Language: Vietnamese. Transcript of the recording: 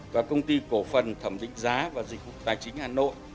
và công ty cổ phần thẩm định giá và dịch vụ tài chính hà nội